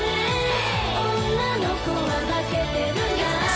「女の子は化けてるんだ」